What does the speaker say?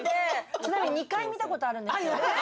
ちなみに２回見たことあるんですよ。